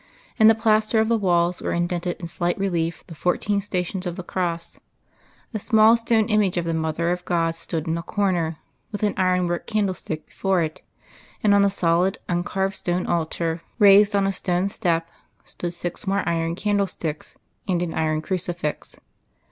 In the plaster of the walls were indented in slight relief the fourteen stations of the Cross; a small stone image of the Mother of God stood in a corner, with an iron work candlestick before it, and on the solid uncarved stone altar, raised on a stone step, stood six more iron candlesticks and an iron crucifix.